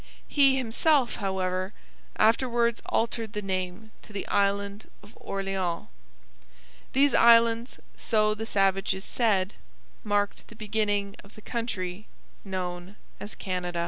He himself, however, afterwards altered the name to the Island of Orleans. These islands, so the savages said, marked the beginning of the country known as Canada.